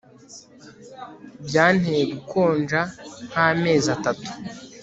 byanteye gukonja nkamezi atatu